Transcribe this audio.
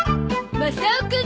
マサオくん！